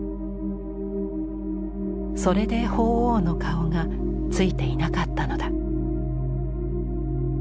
それで鳳凰の顔がついていなかったのだ。